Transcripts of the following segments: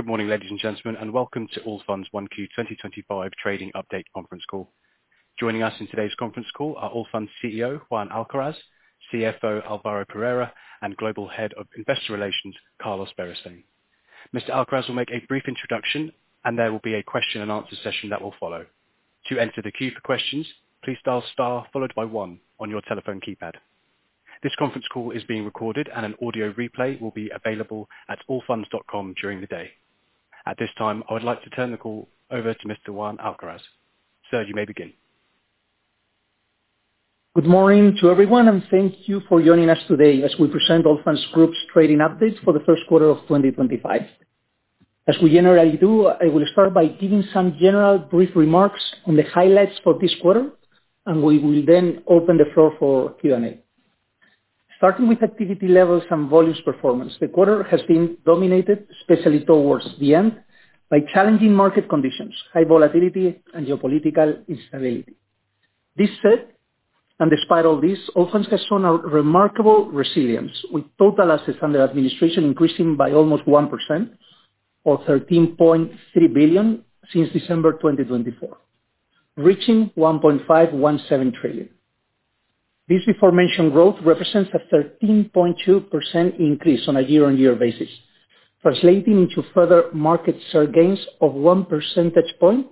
Good morning, ladies and gentlemen, and welcome to Allfunds 1Q 2025 Trading Update Conference Call. Joining us in today's conference call are Allfunds CEO Juan Alcaraz, CFO Álvaro Perera, and Global Head of Investor Relations Carlos Berastain. Mr. Alcaraz will make a brief introduction, and there will be a question-and-answer session that will follow. To enter the queue for questions, please dial star followed by one on your telephone keypad. This conference call is being recorded, and an audio replay will be available at allfunds.com during the day. At this time, I would like to turn the call over to Mr. Juan Alcaraz. Sir, you may begin. Good morning to everyone, and thank you for joining us today as we present Allfunds Group's trading updates for the first quarter of 2025. As we generally do, I will start by giving some general brief remarks on the highlights for this quarter, and we will then open the floor for Q&A. Starting with activity levels and volumes performance, the quarter has been dominated, especially towards the end, by challenging market conditions, high volatility, and geopolitical instability. This said, and despite all this, Allfunds has shown a remarkable resilience, with total assets under administration increasing by almost 1%, or 13.3 billion, since December 2024, reaching 1.517 trillion. This before-mentioned growth represents a 13.2% increase on a year-on-year basis, translating into further market share gains of one percentage point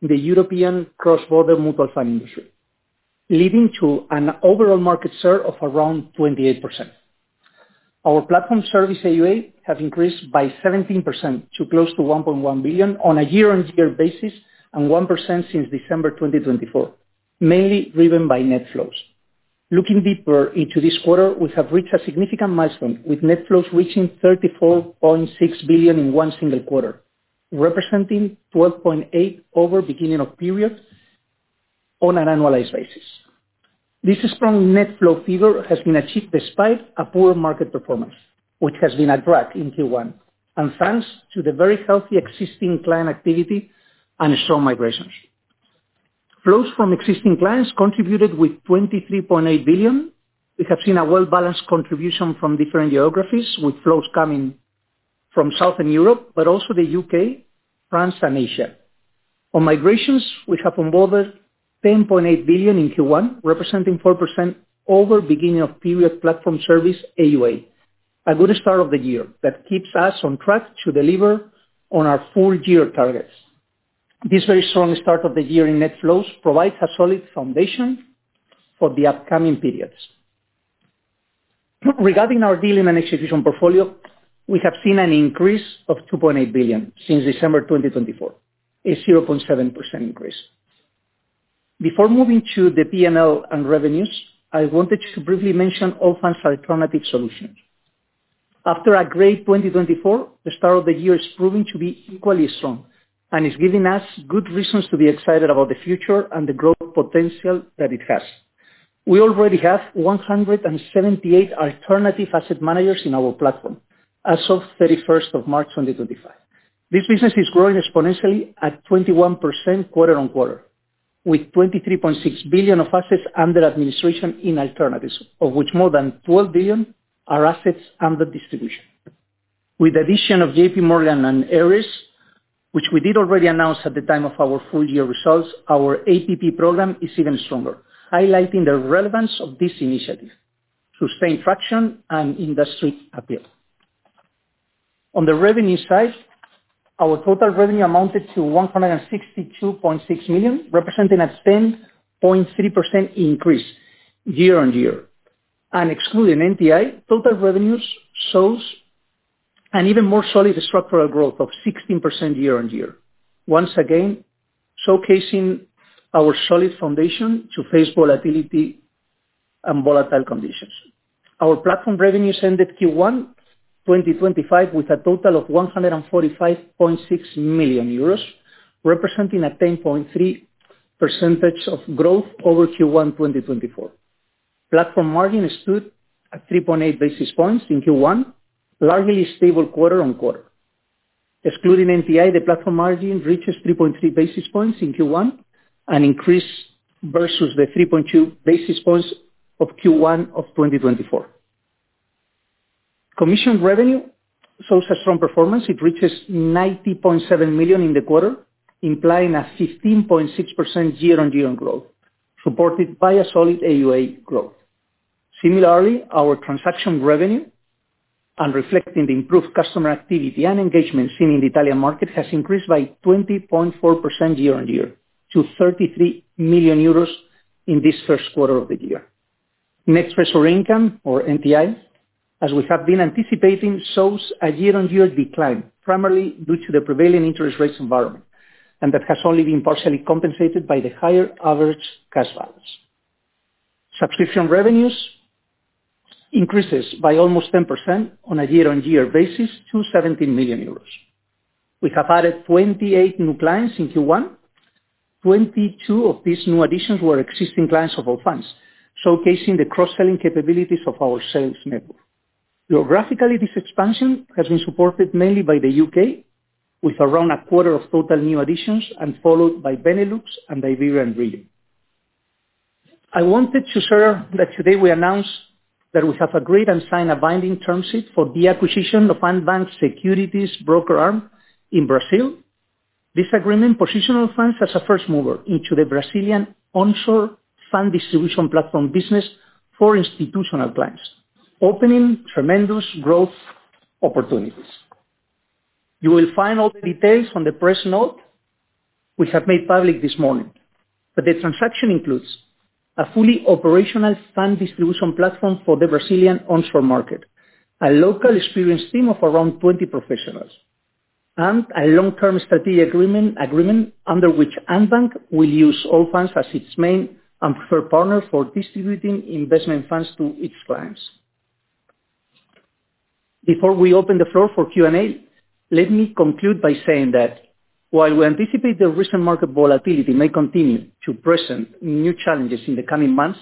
in the European cross-border mutual fund industry, leading to an overall market share of around 28%. Our platform service AUA has increased by 17% to close to 1.1 billion on a year-on-year basis and 1% since December 2024, mainly driven by net flows. Looking deeper into this quarter, we have reached a significant milestone, with net flows reaching 34.6 billion in one single quarter, representing 12.8% over the beginning of the period on an annualized basis. This strong net flow figure has been achieved despite a poor market performance, which has been a drag in Q1, and thanks to the very healthy existing client activity and strong migrations. Flows from existing clients contributed with 23.8 billion. We have seen a well-balanced contribution from different geographies, with flows coming from Southern Europe, but also the U.K., France, and Asia. On migrations, we have onboarded 10.8 billion in Q1, representing 4% over the beginning of the period Platform Service AUA, a good start of the year that keeps us on track to deliver on our full-year targets. This very strong start of the year in net flows provides a solid foundation for the upcoming periods. Regarding our dealing and execution portfolio, we have seen an increase of 2.8 billion since December 2024, a 0.7% increase. Before moving to the P&L and revenues, I wanted to briefly mention Allfunds' alternative solutions. After a great 2024, the start of the year is proving to be equally strong and is giving us good reasons to be excited about the future and the growth potential that it has. We already have 178 alternative asset managers in our platform as of 31st of March 2025. This business is growing exponentially at 21% quarter on quarter, with 23.6 billion of assets under administration in alternatives, of which more than 12 billion are assets under distribution. With the addition of JPMorgan and Ares, which we did already announce at the time of our full-year results, our APP program is even stronger, highlighting the relevance of this initiative to sustain traction and industry appeal. On the revenue side, our total revenue amounted to 162.6 million, representing a 10.3% increase year on year. Excluding NTI, total revenues show an even more solid structural growth of 16% year on year, once again showcasing our solid foundation to face volatility and volatile conditions. Our platform revenues ended Q1 2025 with a total of 145.6 million euros, representing a 10.3% growth over Q1 2024. Platform margin stood at 3.8 basis points in Q1, largely stable quarter on quarter. Excluding NTI, the platform margin reaches 3.3 basis points in Q1, an increase versus the 3.2 basis points of Q1 of 2024. Commission revenue shows a strong performance. It reaches 90.7 million in the quarter, implying a 15.6% year-on-year growth, supported by a solid AUA growth. Similarly, our transaction revenue, reflecting the improved customer activity and engagement seen in the Italian market, has increased by 20.4% year-on-year to 33 million euros in this first quarter of the year. Net treasury income, or NTI, as we have been anticipating, shows a year-on-year decline, primarily due to the prevailing interest rates environment, and that has only been partially compensated by the higher average cash balance. Subscription revenues increased by almost 10% on a year-on-year basis to 17 million euros. We have added 28 new clients in Q1. Twenty-two of these new additions were existing clients of Allfunds, showcasing the cross-selling capabilities of our sales network. Geographically, this expansion has been supported mainly by the U.K., with around a quarter of total new additions, followed by Benelux and the Iberian region. I wanted to share that today we announced that we have agreed and signed a binding term sheet for the acquisition of Andbank securities broker arm in Brazil. This agreement positions Allfunds as a first mover into the Brazilian onshore fund distribution platform business for institutional clients, opening tremendous growth opportunities. You will find all the details on the press note we have made public this morning, but the transaction includes a fully operational fund distribution platform for the Brazilian onshore market, a local experience team of around 20 professionals, and a long-term strategic agreement under which Andbank will use Allfunds as its main and preferred partner for distributing investment funds to its clients. Before we open the floor for Q&A, let me conclude by saying that while we anticipate the recent market volatility may continue to present new challenges in the coming months,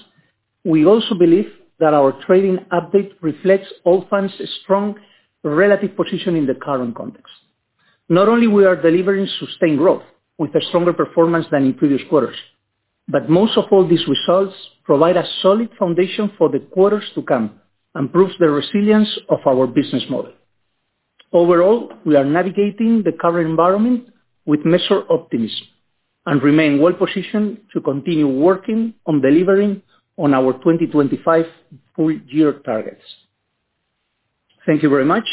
we also believe that our trading update reflects Allfunds' strong relative position in the current context. Not only are we delivering sustained growth with a stronger performance than in previous quarters, but most of all, these results provide a solid foundation for the quarters to come and prove the resilience of our business model. Overall, we are navigating the current environment with measured optimism and remain well-positioned to continue working on delivering on our 2025 full-year targets. Thank you very much.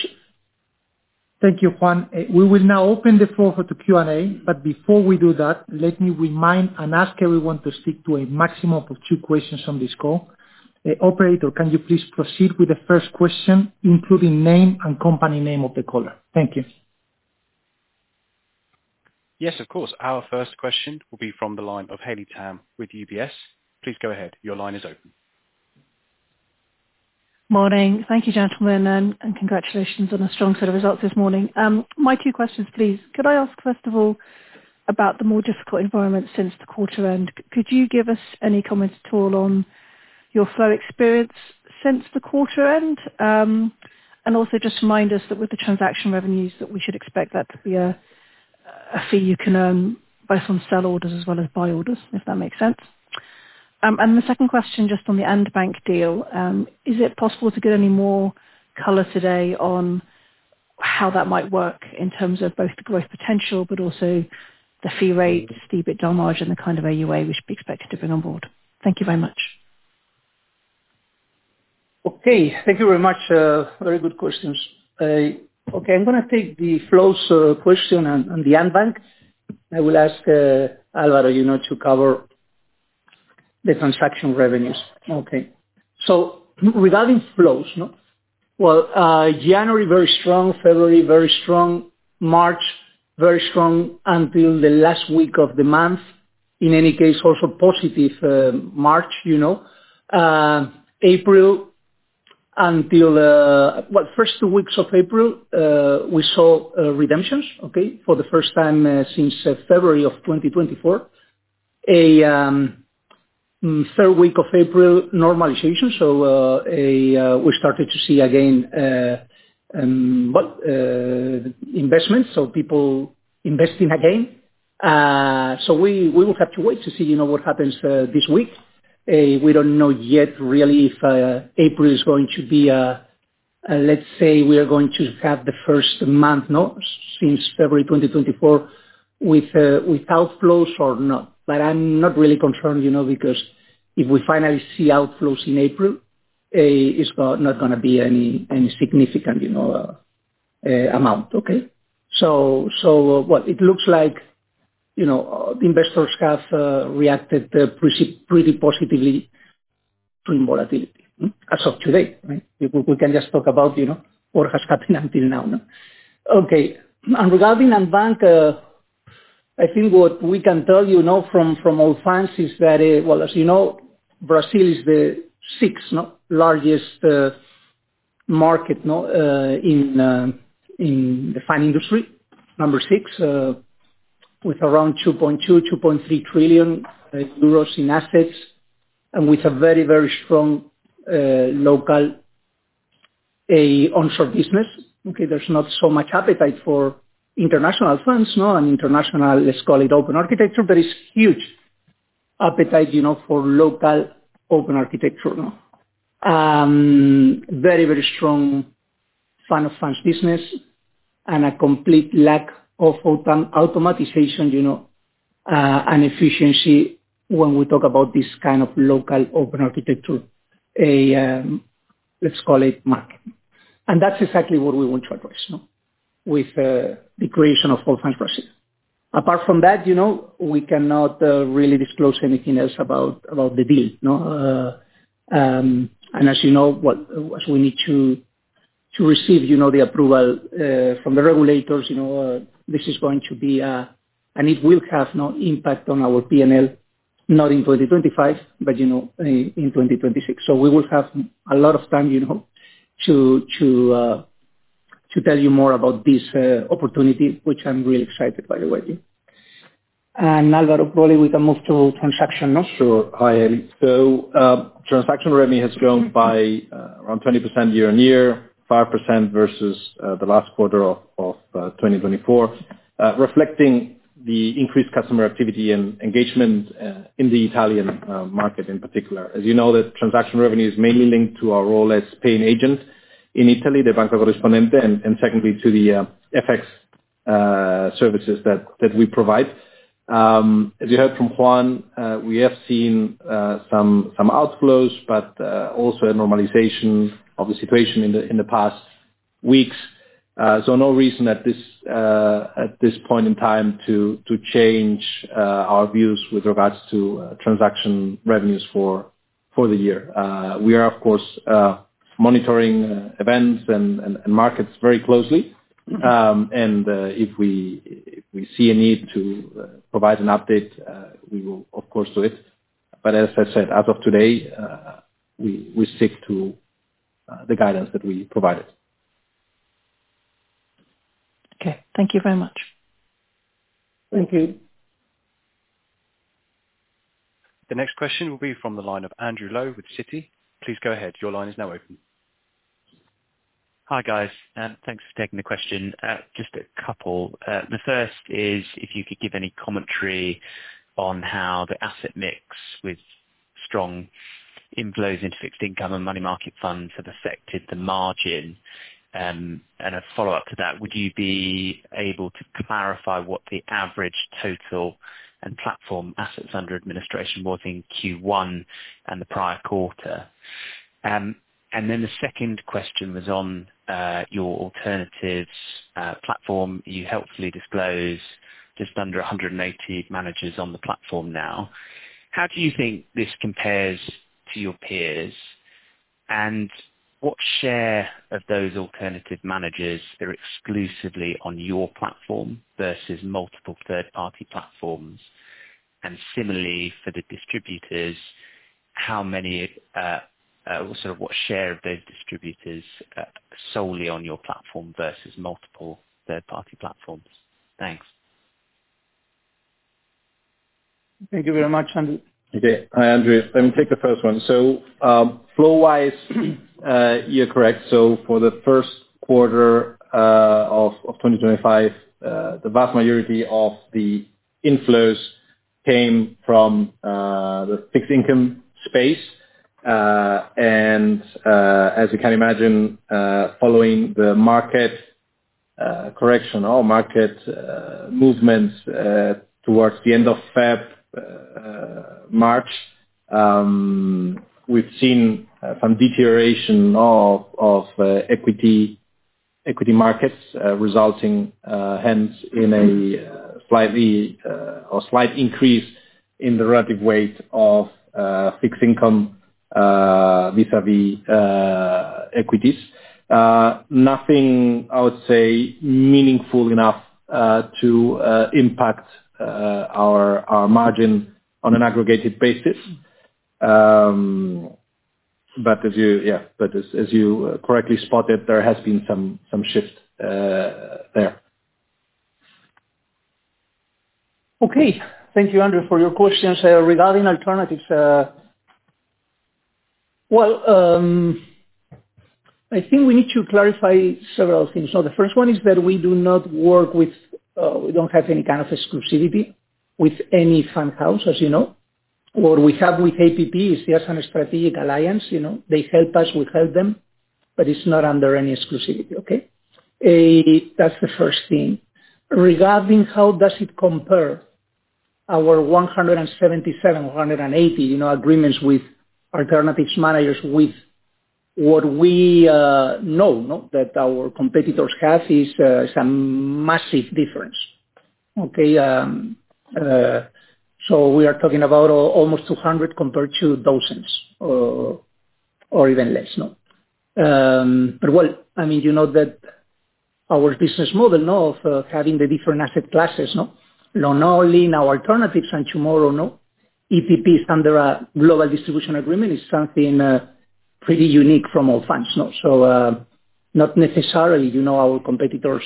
Thank you, Juan. We will now open the floor for the Q&A, but before we do that, let me remind and ask everyone to stick to a maximum of two questions on this call. Operator, can you please proceed with the first question, including name and company name of the caller? Thank you. Yes, of course. Our first question will be from the line of Haley Tam with UBS. Please go ahead. Your line is open. Morning. Thank you, gentlemen, and congratulations on a strong set of results this morning. My two questions, please. Could I ask, first of all, about the more difficult environment since the quarter-end? Could you give us any comments at all on your flow experience since the quarter-end? Also, just remind us that with the transaction revenues, we should expect that to be a fee you can earn by some sell orders as well as buy orders, if that makes sense. The second question, just on the Andbank deal, is it possible to get any more color today on how that might work in terms of both the growth potential, but also the fee rates, the EBITDA margin, the kind of assets under administration we should be expected to bring on board? Thank you very much. Okay. Thank you very much. Very good questions. Okay. I'm going to take the flows question on the Andbank. I will ask Álvaro to cover the transaction revenues. Okay. Regarding flows, January very strong, February very strong, March very strong until the last week of the month. In any case, also positive March. April, until the first two weeks of April, we saw redemptions, okay, for the first time since February of 2024. Third week of April, normalization. We started to see again investments, people investing again. We will have to wait to see what happens this week. We do not know yet really if April is going to be a, let's say, we are going to have the first month since February 2024 with outflows or not. I'm not really concerned because if we finally see outflows in April, it's not going to be any significant amount. Okay. It looks like investors have reacted pretty positively to volatility as of today. We can just talk about what has happened until now. Okay. Regarding Andbank, I think what we can tell you from Allfunds is that, as you know, Brazil is the sixth largest market in the fund industry, number six, with around 2.2-2.3 trillion euros in assets, and with a very, very strong local onshore business. Okay. There's not so much appetite for international funds and international, let's call it, open architecture, but there's huge appetite for local open architecture. Very, very strong fund of funds business and a complete lack of automatization and efficiency when we talk about this kind of local open architecture, let's call it, market. That is exactly what we want to address with the creation of Allfunds Brazil. Apart from that, we cannot really disclose anything else about the deal. As you know, as we need to receive the approval from the regulators, this is going to be, and it will have no impact on our P&L, not in 2025, but in 2026. We will have a lot of time to tell you more about this opportunity, which I am really excited about, by the way. Álvaro, probably we can move to transaction. Sure. Hi. Transaction revenue has grown by around 20% year on year, 5% versus the last quarter of 2024, reflecting the increased customer activity and engagement in the Italian market in particular. As you know, the transaction revenue is mainly linked to our role as paying agent in Italy, the Banca Corrispondente, and secondly, to the FX services that we provide. As you heard from Juan, we have seen some outflows, but also a normalization of the situation in the past weeks. No reason at this point in time to change our views with regards to transaction revenues for the year. We are, of course, monitoring events and markets very closely. If we see a need to provide an update, we will, of course, do it. As I said, as of today, we stick to the guidance that we provided. Okay. Thank you very much. Thank you. The next question will be from the line of Andrew Lowe with Citi. Please go ahead. Your line is now open. Hi guys. Thanks for taking the question. Just a couple. The first is if you could give any commentary on how the asset mix with strong inflows into fixed income and money market funds have affected the margin. A follow-up to that, would you be able to clarify what the average total and platform assets under administration was in Q1 and the prior quarter? The second question was on your alternative platform. You helpfully disclose just under 180 managers on the platform now. How do you think this compares to your peers? What share of those alternative managers are exclusively on your platform versus multiple third-party platforms? Similarly, for the distributors, how many or sort of what share of those distributors solely on your platform versus multiple third-party platforms? Thanks. Thank you very much, Andrew. Okay. Hi, Andrew. Let me take the first one. Flow-wise, you're correct. For the first quarter of 2025, the vast majority of the inflows came from the fixed income space. As you can imagine, following the market correction or market movements towards the end of February, March, we've seen some deterioration of equity markets, resulting hence in a slight increase in the relative weight of fixed income vis-à-vis equities. Nothing, I would say, meaningful enough to impact our margin on an aggregated basis. Yeah, as you correctly spotted, there has been some shift there. Okay. Thank you, Andrew, for your questions. Regarding alternatives, I think we need to clarify several things. The first one is that we do not work with, we do not have any kind of exclusivity with any fund house, as you know. What we have with APP is just a strategic alliance. They help us, we help them, but it is not under any exclusivity. That is the first thing. Regarding how does it compare, our 177, 180 agreements with alternative managers with what we know that our competitors have is a massive difference. We are talking about almost 200 compared to thousands or even less. I mean, you know that our business model of having the different asset classes, not only in our alternatives and tomorrow, ETPs under a global distribution agreement is something pretty unique from Allfunds. Not necessarily our competitors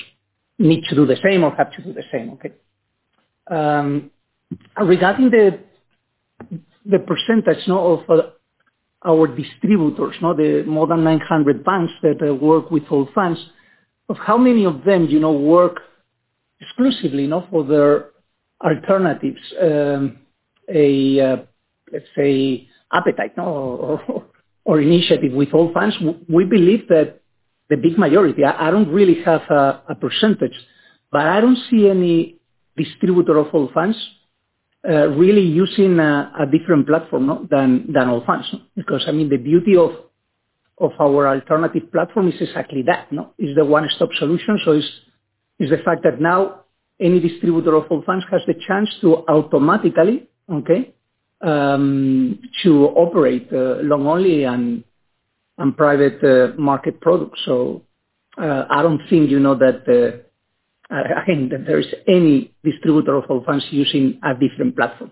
need to do the same or have to do the same. Okay? Regarding the percentage of our distributors, the more than 900 banks that work with Allfunds, of how many of them work exclusively for their alternatives, let's say, appetite or initiative with Allfunds, we believe that the big majority, I don't really have a percentage, but I don't see any distributor of Allfunds really using a different platform than Allfunds. I mean, the beauty of our alternative platform is exactly that. It's the one-stop solution. It's the fact that now any distributor of Allfunds has the chance to automatically, okay, to operate long-only and private market products. I don't think that, again, that there is any distributor of Allfunds using a different platform.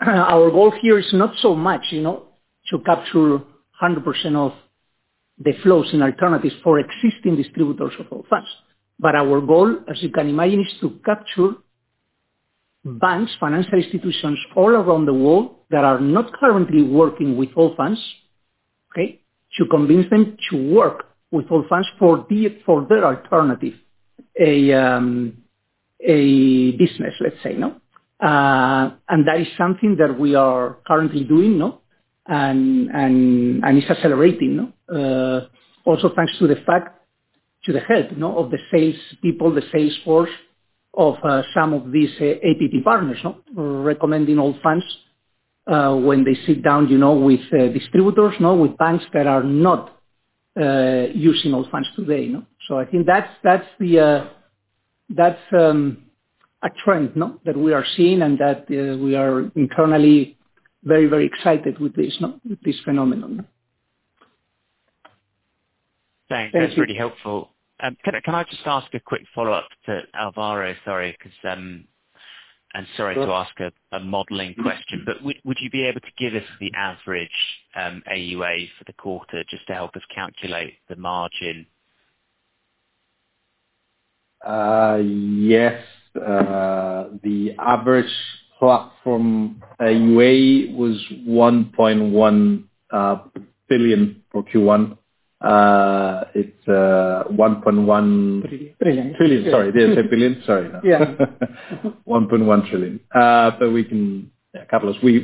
Our goal here is not so much to capture 100% of the flows in alternatives for existing distributors of Allfunds. Our goal, as you can imagine, is to capture banks, financial institutions all around the world that are not currently working with Allfunds, okay, to convince them to work with Allfunds for their alternative business, let's say. That is something that we are currently doing and is accelerating, also thanks to the help of the salespeople, the salesforce of some of these APP partners recommending Allfunds when they sit down with distributors, with banks that are not using Allfunds today. I think that's a trend that we are seeing and that we are internally very, very excited with this phenomenon. Thanks. That's really helpful. Can I just ask a quick follow-up to Álvaro? Sorry. Sorry to ask a modeling question, but would you be able to give us the average AUA for the quarter just to help us calculate the margin? Yes. The average platform AUA was €1.1 billion for Q1. It's €1.1 billion. Trillion. Trillion. Sorry. Did not say billion. Sorry. 1.1 trillion. We can capitalize. We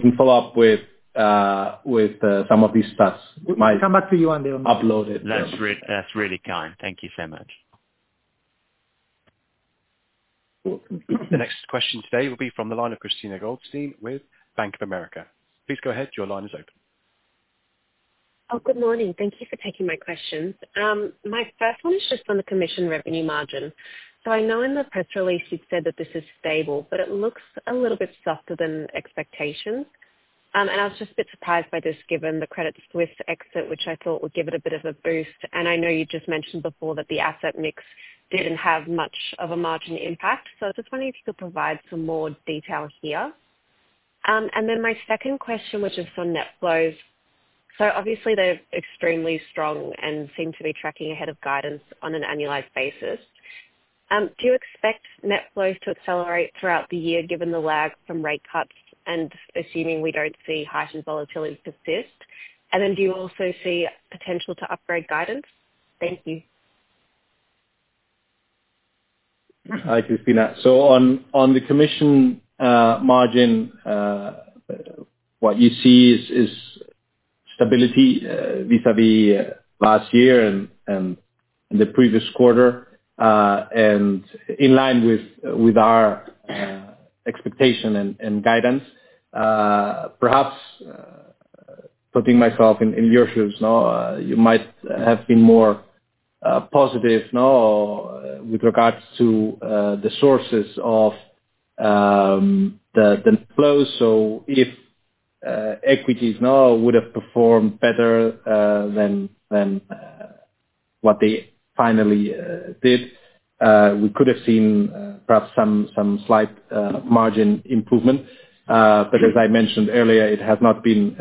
can follow up with some of these stats. We might. We'll come back to you and upload it. That's really kind. Thank you so much. The next question today will be from the line of Christina Goldstein with Bank of America. Please go ahead. Your line is open. Good morning. Thank you for taking my questions. My first one is just on the commission revenue margin. I know in the press release you said that this is stable, but it looks a little bit softer than expectations. I was just a bit surprised by this given the Credit Suisse exit, which I thought would give it a bit of a boost. I know you just mentioned before that the asset mix did not have much of a margin impact. I was just wondering if you could provide some more detail here. My second question, which is on net flows. Obviously, they are extremely strong and seem to be tracking ahead of guidance on an annualized basis. Do you expect net flows to accelerate throughout the year given the lag from rate cuts and assuming we do not see heightened volatility persist? Do you also see potential to upgrade guidance? Thank you. Hi, Christina. On the commission margin, what you see is stability vis-à-vis last year and the previous quarter. In line with our expectation and guidance, perhaps putting myself in your shoes, you might have been more positive with regards to the sources of the flows. If equities would have performed better than what they finally did, we could have seen perhaps some slight margin improvement. As I mentioned earlier, it has not been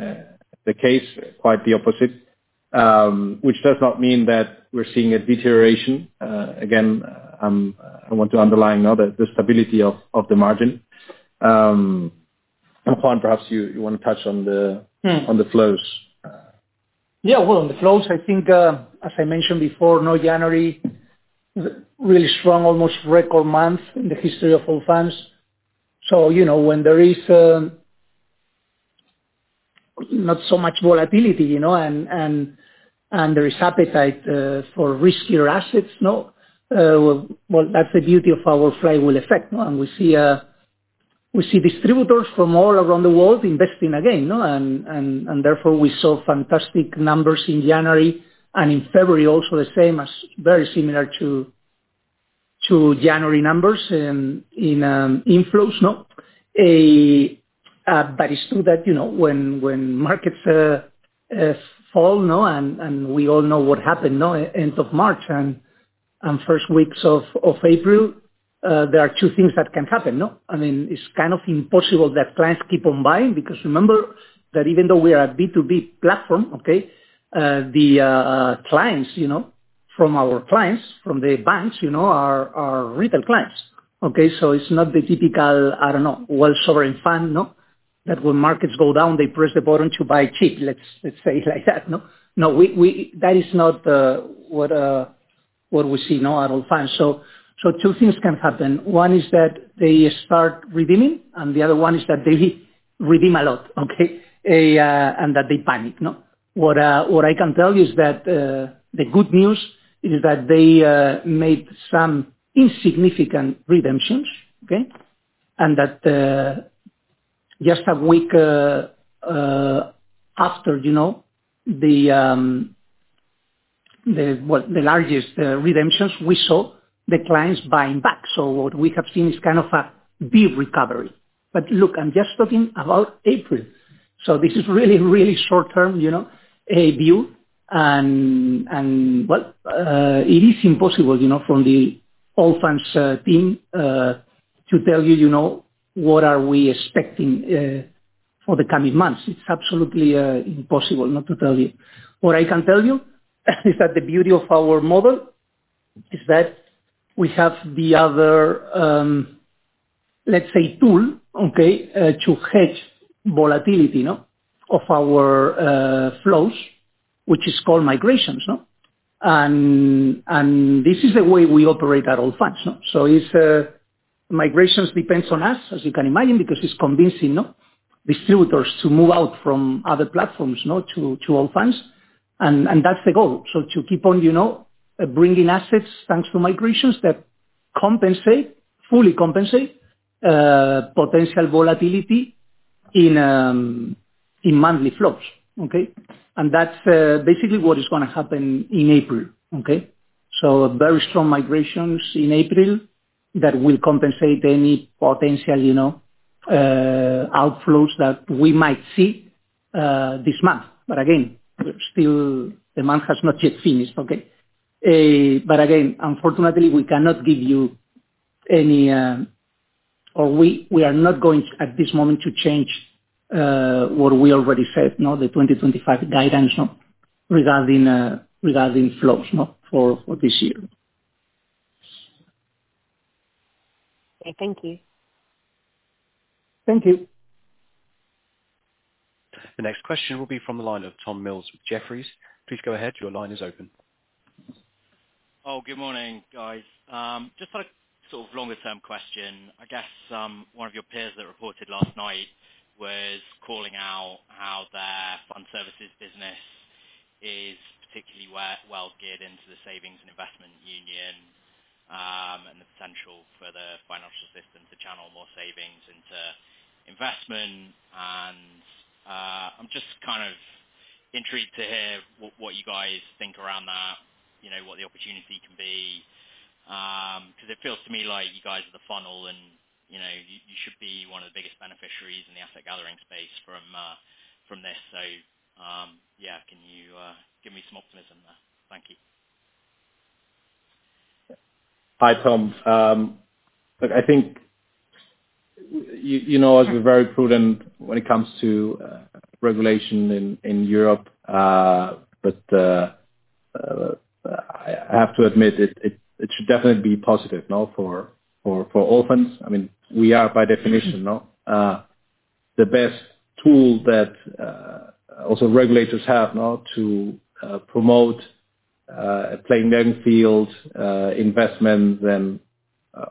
the case, quite the opposite, which does not mean that we're seeing a deterioration. Again, I want to underline the stability of the margin. Juan, perhaps you want to touch on the flows. Yeah. On the flows, I think, as I mentioned before, January was a really strong, almost record month in the history of Allfunds. When there is not so much volatility and there is appetite for riskier assets, that is the beauty of our flywheel effect. We see distributors from all around the world investing again. Therefore, we saw fantastic numbers in January. In February, also the same, very similar to January numbers in inflows. It is true that when markets fall and we all know what happened end of March and first weeks of April, there are two things that can happen. I mean, it is kind of impossible that clients keep on buying because remember that even though we are a B2B platform, the clients from our clients, from the banks, are retail clients. It is not the typical, I do not know, well-sovereign fund that when markets go down, they press the button to buy cheap, let us say it like that. No, that is not what we see at Allfunds. Two things can happen. One is that they start redeeming, and the other one is that they redeem a lot, okay, and that they panic. What I can tell you is that the good news is that they made some insignificant redemptions, okay, and that just a week after the largest redemptions, we saw the clients buying back. What we have seen is kind of a big recovery. Look, I am just talking about April. This is really, really short-term view, and it is impossible from the Allfunds team to tell you what are we expecting for the coming months. It is absolutely impossible not to tell you. What I can tell you is that the beauty of our model is that we have the other, let's say, tool, okay, to hedge volatility of our flows, which is called migrations. This is the way we operate at Allfunds. Migrations depend on us, as you can imagine, because it's convincing distributors to move out from other platforms to Allfunds. That's the goal. To keep on bringing assets thanks to migrations that compensate, fully compensate, potential volatility in monthly flows. Okay? That's basically what is going to happen in April. Okay? Very strong migrations in April that will compensate any potential outflows that we might see this month. Again, still, the month has not yet finished. Okay? Again, unfortunately, we cannot give you any or we are not going at this moment to change what we already said, the 2025 guidance regarding flows for this year. Okay. Thank you. Thank you. The next question will be from the line of Tom Mills with Jefferies. Please go ahead. Your line is open. Oh, good morning, guys. Just sort of longer-term question. I guess one of your peers that reported last night was calling out how their fund services business is particularly well geared into the savings and investment union and the potential for the financial system to channel more savings into investment. I'm just kind of intrigued to hear what you guys think around that, what the opportunity can be. Because it feels to me like you guys are the funnel, and you should be one of the biggest beneficiaries in the asset gathering space from this. Yeah, can you give me some optimism there? Thank you. Hi, Tom. Look, I think you know I've been very prudent when it comes to regulation in Europe, but I have to admit it should definitely be positive for Allfunds. I mean, we are by definition the best tool that also regulators have to promote playing their own field, investments, and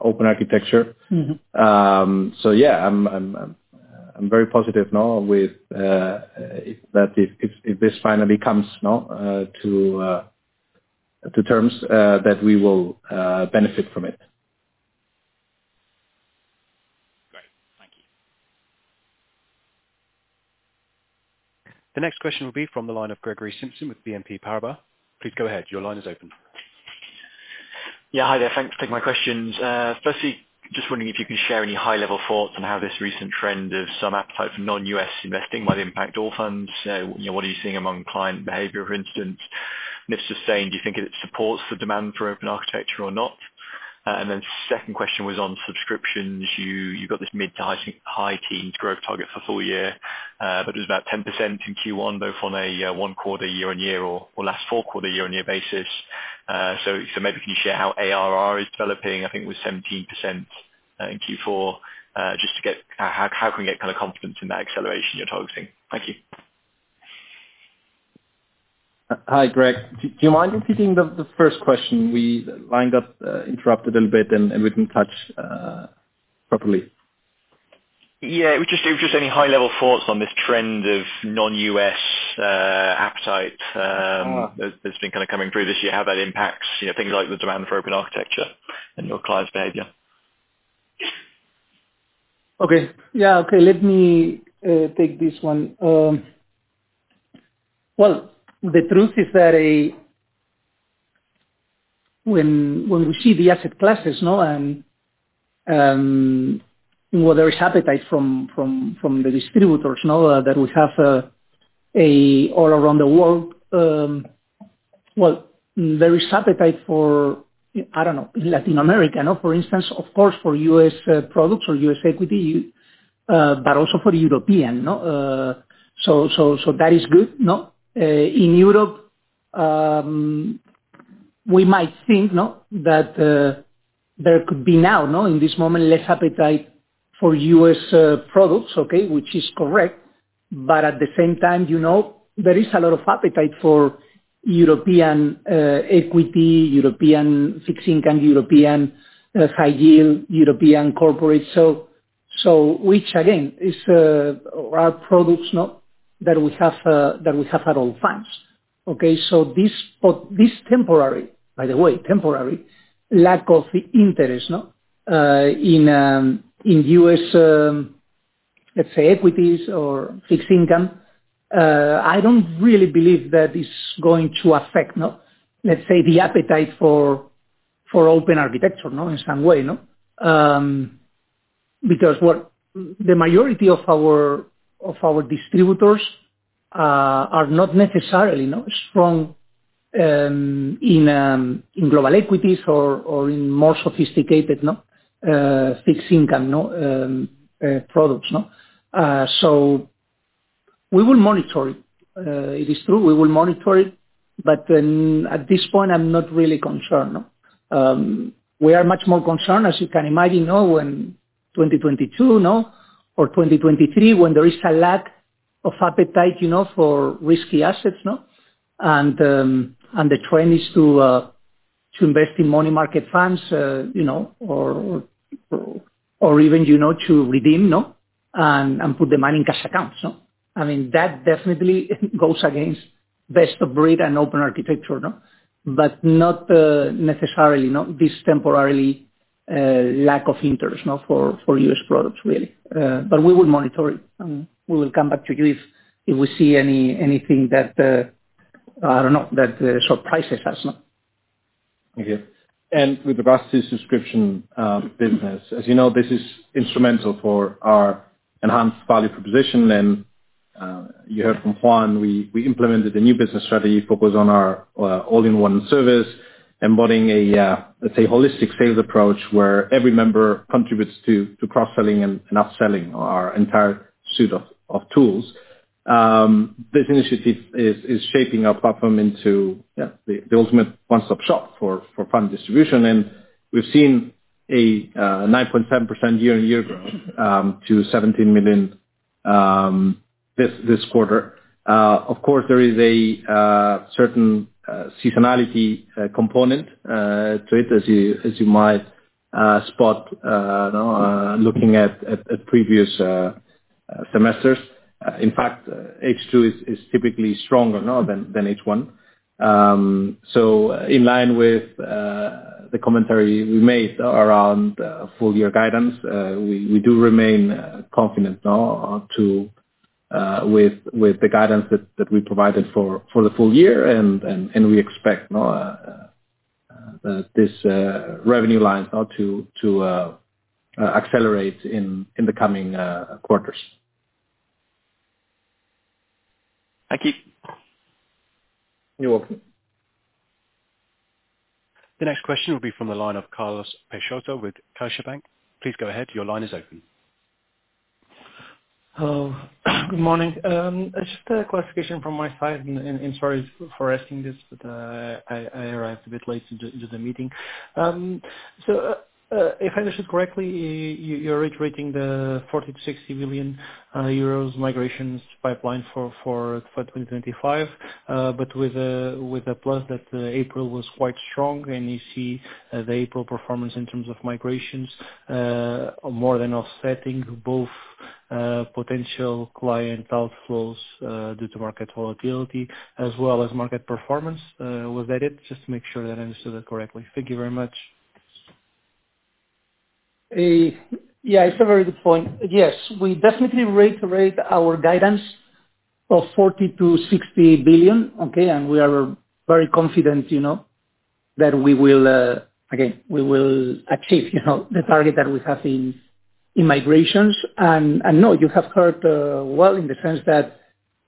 open architecture. Yeah, I'm very positive that if this finally comes to terms that we will benefit from it. Great. Thank you. The next question will be from the line of Gregory Simpson with BNP Paribas. Please go ahead. Your line is open. Yeah. Hi there. Thanks for taking my questions. Firstly, just wondering if you can share any high-level thoughts on how this recent trend of some appetite for non-U.S. investing might impact Allfunds. What are you seeing among client behavior, for instance? If sustained, do you think it supports the demand for open architecture or not? The second question was on subscriptions. You have this mid to high teens growth target for full year, but it was about 10% in Q1, both on a one-quarter year-on-year or last four-quarter year-on-year basis. Maybe can you share how ARR is developing? I think it was 17% in Q4. Just to get how can we get kind of confidence in that acceleration you are targeting? Thank you. Hi, Greg. Do you mind repeating the first question? We lined up, interrupted a little bit, and we did not touch properly. Yeah. Just any high-level thoughts on this trend of non-U.S. appetite that's been kind of coming through this year, how that impacts things like the demand for open architecture and your clients' behavior? Okay. Yeah. Okay. Let me take this one. The truth is that when we see the asset classes and where there is appetite from the distributors that we have all around the world, there is appetite for, I do not know, Latin America, for instance, of course, for US products or US equity, but also for European. That is good. In Europe, we might think that there could be now, in this moment, less appetite for US products, which is correct. At the same time, there is a lot of appetite for European equity, European fixed income, European high yield, European corporates, which, again, are products that we have at Allfunds. Okay? This temporary, by the way, temporary lack of interest in U.S., let's say, equities or fixed income, I don't really believe that it's going to affect, let's say, the appetite for open architecture in some way. Because the majority of our distributors are not necessarily strong in global equities or in more sophisticated fixed income products. We will monitor it. It is true. We will monitor it. At this point, I'm not really concerned. We are much more concerned, as you can imagine, in 2022 or 2023, when there is a lack of appetite for risky assets. The trend is to invest in money market funds or even to redeem and put the money in cash accounts. I mean, that definitely goes against best of breed and open architecture, but not necessarily this temporary lack of interest for U.S. products, really. We will monitor it. We will come back to you if we see anything that, I do not know, that surprises us. Thank you. With regards to subscription business, as you know, this is instrumental for our enhanced value proposition. You heard from Juan. We implemented a new business strategy focused on our all-in-one service, embodying a, let's say, holistic sales approach where every member contributes to cross-selling and upselling our entire suite of tools. This initiative is shaping our platform into the ultimate one-stop shop for fund distribution. We have seen a 9.7% year-on-year growth to 17 million this quarter. Of course, there is a certain seasonality component to it, as you might spot looking at previous semesters. In fact, H2 is typically stronger than H1. In line with the commentary we made around full-year guidance, we do remain confident with the guidance that we provided for the full year. We expect that this revenue line to accelerate in the coming quarters. Thank you. You're welcome. The next question will be from the line of Carlos Peixoto with CaixaBank. Please go ahead. Your line is open. Good morning. Just a clarification from my side. Sorry for asking this, but I arrived a bit late to the meeting. If I understood correctly, you're already rating the 40 million-60 million euros migrations pipeline for 2025, but with a plus that April was quite strong. You see the April performance in terms of migrations more than offsetting both potential client outflows due to market volatility as well as market performance. Was that it? Just to make sure that I understood that correctly. Thank you very much. Yeah. It's a very good point. Yes. We definitely reiterate our guidance of 40 billion-60 billion. Okay? We are very confident that we will, again, we will achieve the target that we have in migrations. You have heard well in the sense that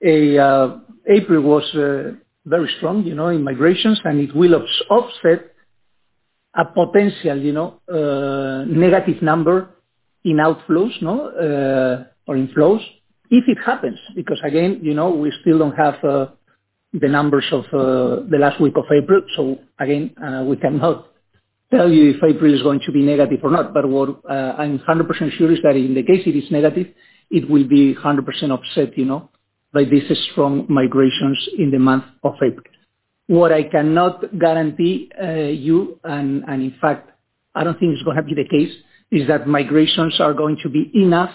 April was very strong in migrations, and it will offset a potential negative number in outflows or in flows if it happens. Again, we still do not have the numbers of the last week of April. Again, we cannot tell you if April is going to be negative or not. What I am 100% sure is that in the case it is negative, it will be 100% offset by these strong migrations in the month of April. What I cannot guarantee you, and in fact, I don't think it's going to be the case, is that migrations are going to be enough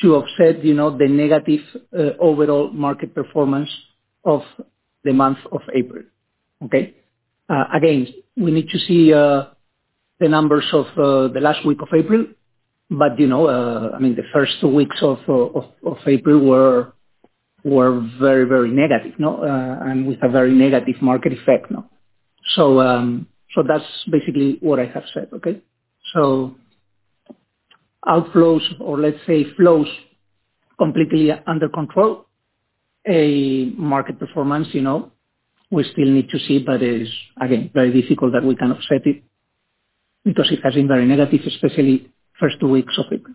to offset the negative overall market performance of the month of April. Okay? Again, we need to see the numbers of the last week of April. I mean, the first two weeks of April were very, very negative, and with a very negative market effect. That's basically what I have said. Okay? Outflows or, let's say, flows completely under control, market performance, we still need to see. It's, again, very difficult that we can offset it because it has been very negative, especially first two weeks of April.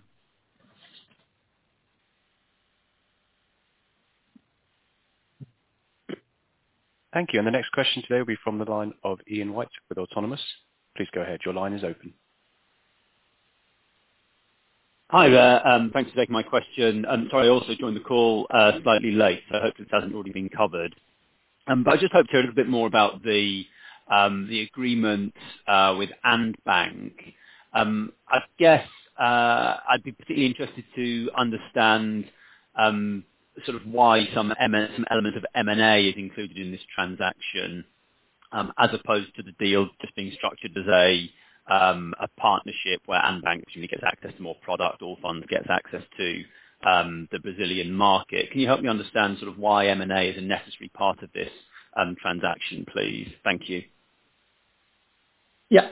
Thank you. The next question today will be from the line of Ian White with Autonomous. Please go ahead. Your line is open. Hi. Thanks for taking my question. I'm sorry I also joined the call slightly late. I hope this hasn't already been covered. I just hope to hear a little bit more about the agreement with Andbank. I guess I'd be particularly interested to understand sort of why some elements of M&A is included in this transaction as opposed to the deal just being structured as a partnership where Andbank essentially gets access to more product or Allfunds gets access to the Brazilian market. Can you help me understand sort of why M&A is a necessary part of this transaction, please? Thank you. Yeah.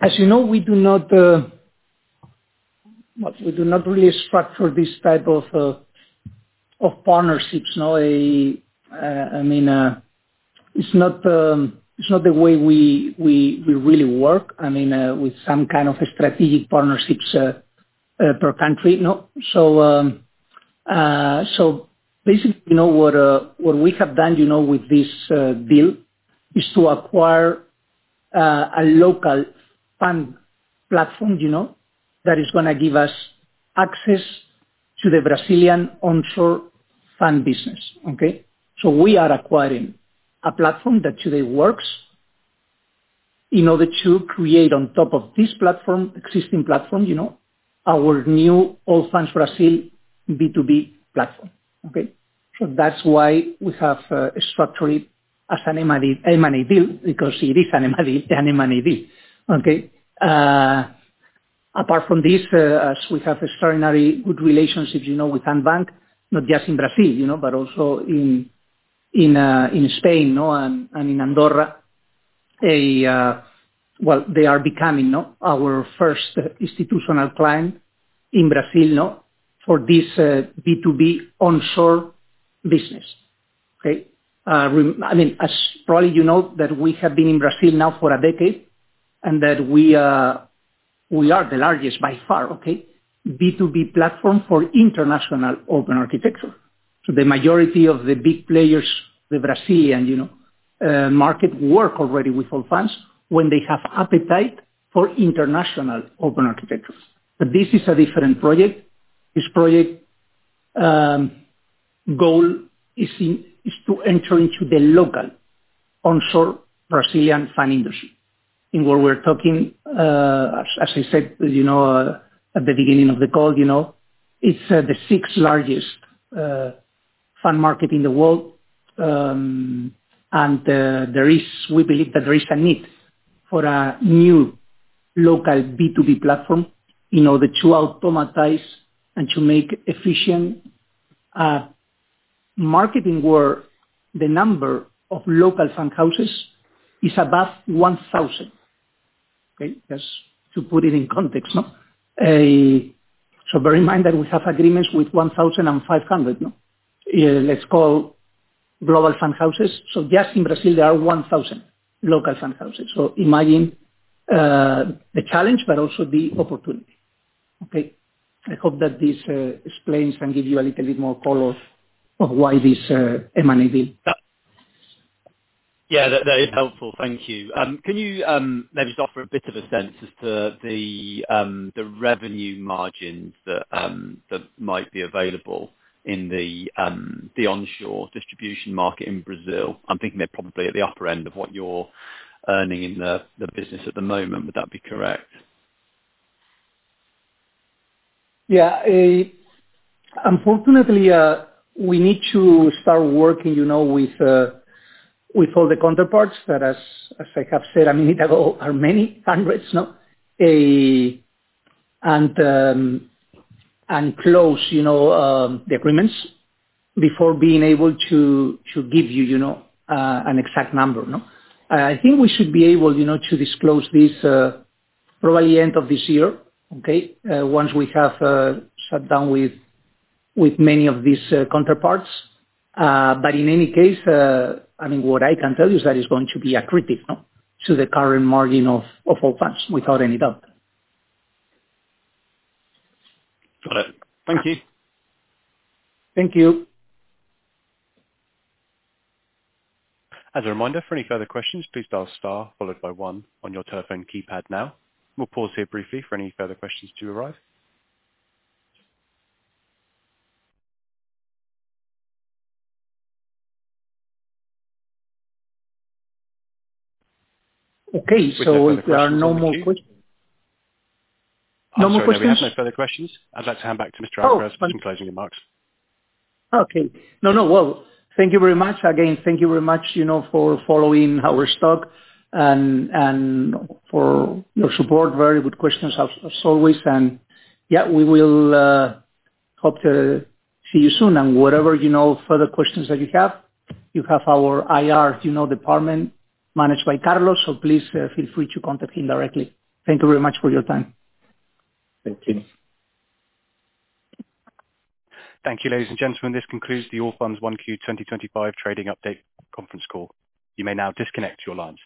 As you know, we do not really structure this type of partnerships. I mean, it's not the way we really work. I mean, with some kind of strategic partnerships per country. Basically, what we have done with this deal is to acquire a local fund platform that is going to give us access to the Brazilian onshore fund business. Okay? We are acquiring a platform that today works in order to create on top of this platform, existing platform, our new Allfunds Brazil B2B platform. Okay? That's why we have structured it as an M&A deal because it is an M&A deal. Okay? Apart from this, we have extraordinarily good relationships with Andbank, not just in Brazil, but also in Spain and in Andorra. They are becoming our first institutional client in Brazil for this B2B onshore business. Okay? I mean, as probably you know that we have been in Brazil now for a decade and that we are the largest by far, okay, B2B platform for international open architecture. The majority of the big players, the Brazilian market, work already with Allfunds when they have appetite for international open architecture. This is a different project. This project goal is to enter into the local onshore Brazilian fund industry. What we are talking, as I said at the beginning of the call, is the sixth largest fund market in the world. We believe that there is a need for a new local B2B platform in order to automatize and to make efficient marketing where the number of local fund houses is above 1,000. Okay? Just to put it in context. Bear in mind that we have agreements with 1,500, let's call, global fund houses. In Brazil, there are 1,000 local fund houses. Imagine the challenge, but also the opportunity. Okay? I hope that this explains and gives you a little bit more color of why this M&A deal. Yeah. That is helpful. Thank you. Can you maybe just offer a bit of a sense as to the revenue margins that might be available in the onshore distribution market in Brazil? I'm thinking they're probably at the upper end of what you're earning in the business at the moment. Would that be correct? Yeah. Unfortunately, we need to start working with all the counterparts that, as I have said a minute ago, are many hundreds and close the agreements before being able to give you an exact number. I think we should be able to disclose this probably end of this year, okay, once we have sat down with many of these counterparts. In any case, I mean, what I can tell you is that it's going to be a critic to the current margin of Allfunds, without any doubt. Got it. Thank you. Thank you. As a reminder, for any further questions, please dial star followed by one on your telephone keypad now. We will pause here briefly for any further questions to arrive. Okay. There are no more questions. No more questions? No further questions. I'd like to hand back to Mr. Alcaraz in closing remarks. No, no. Thank you very much. Again, thank you very much for following our stock and for your support. Very good questions, as always. Yeah, we will hope to see you soon. Whatever further questions that you have, you have our IR department managed by Carlos. Please feel free to contact him directly. Thank you very much for your time. Thank you. Thank you, ladies and gentlemen. This concludes the Allfunds 1Q 2025 trading update conference call. You may now disconnect your lines.